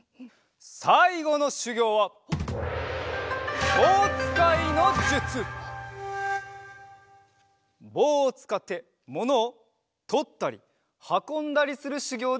さいごのしゅぎょうはぼうをつかってものをとったりはこんだりするしゅぎょうでござる。